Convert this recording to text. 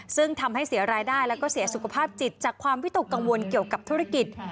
ซึ่งทำให้เสียรายได้แล้วก็เสียสุขภาพจิตจากความวิตกกังวลเกี่ยวกับธุรกิจ